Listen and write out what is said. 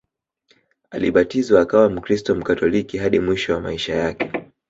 Alibatizwa akawa mkristo Mkatoliki hadi mwisho wa maisha yake